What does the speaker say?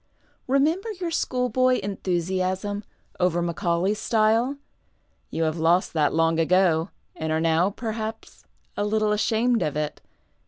Remember your schoolboy enthusiasm over Macaulay's style. You have lost that long ago, and are now, perhaps, a little ashamed of it.